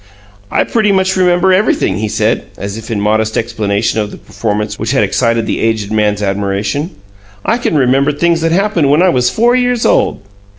"I remember pretty much everything," he said, as if in modest explanation of the performance which had excited the aged man's admiration. "I can remember things that happened when I was four years old."